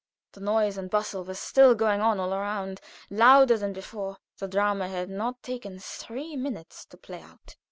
The noise and bustle was still going on all around, louder than before. The drama had not taken three minutes to play out.